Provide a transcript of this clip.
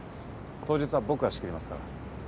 当日は僕が仕切りますから。